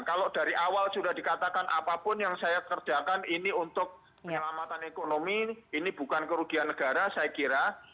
kalau dari awal sudah dikatakan apapun yang saya kerjakan ini untuk penyelamatan ekonomi ini bukan kerugian negara saya kira